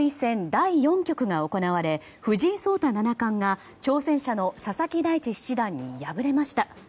第４局が行われ藤井聡太七冠が挑戦者の佐々木大地七段に敗れました。